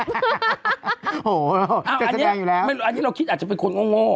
โอ้โฮจะแสดงอยู่แล้วอันนี้เราคิดอาจจะเป็นคนง่อ